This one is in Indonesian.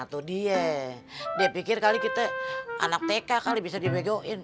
muhyiddin lo mau keluar dari pegang